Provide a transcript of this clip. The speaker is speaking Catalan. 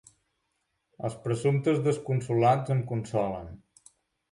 Els presumptes desconsolats em consolen.